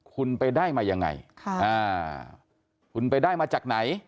คุณไปได้มายังไงคุณไปได้มาจากไหน